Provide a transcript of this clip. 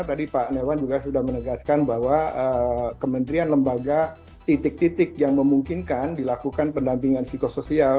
tadi pak nerwan juga sudah menegaskan bahwa kementerian lembaga titik titik yang memungkinkan dilakukan pendampingan psikosoial